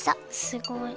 すごい！